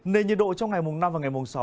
nên nhiệt độ trong ngày mùng năm và ngày mùng sáu